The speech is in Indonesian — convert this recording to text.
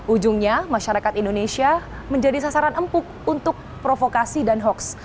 ujungnya masyarakat indonesia menjadi sasaran empuk untuk provokasi dan hoaks